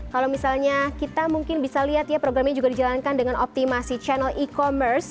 kalau misalnya kita mungkin bisa lihat ya program ini juga dijalankan dengan optimasi channel e commerce